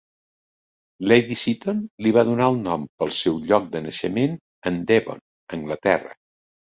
Lady Seaton li va donar el nom pel seu lloc de naixement en Devon, Anglaterra.